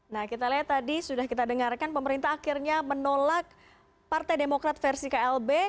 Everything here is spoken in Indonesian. nah kita lihat tadi sudah kita dengarkan pemerintah akhirnya menolak partai demokrat versi klb